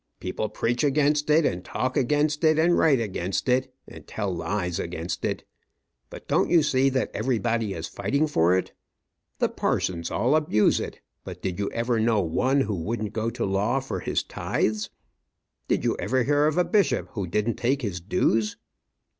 People preach against it, and talk against it, and write against it, and tell lies against it; but don't you see that everybody is fighting for it? The parsons all abuse it; but did you ever know one who wouldn't go to law for his tithes? Did you ever hear of a bishop who didn't take his dues?"